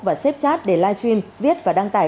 và xếp chat để live stream viết và đăng tải